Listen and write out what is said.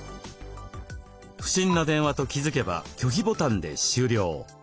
不審な電話と気付けば拒否ボタンで終了。